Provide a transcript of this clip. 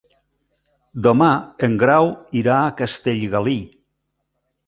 Demà en Grau irà a Castellgalí.